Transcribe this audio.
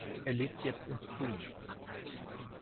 Er lebt jetzt in Queens.